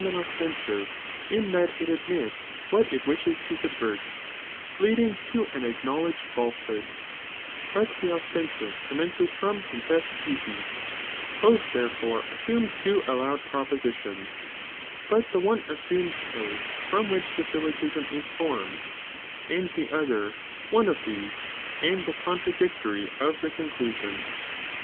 dh ■n ostenaive, in that it admits what it wishes to S^^,"^,'!^' sabvert, leading to an acknowledged falsehood, sndthaipei bst the ostensive commences from confessed ii"p°"|'>D''' Both therefore assume two allowed propositions, c^assuines those from which the syllogism is formed, the other* one of these, and the contradictory of the con ion.